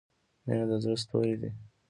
• مینه د زړۀ ستوری دی.